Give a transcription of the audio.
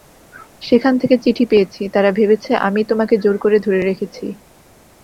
সেখান থেকে চিঠি পেয়েছি, তারা ভেবেছে আমিই তোমাকে জোর করে ধরে রেখেছি।